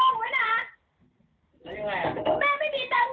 แล้วยังไงอ่ะแม่งไม่มีตังค์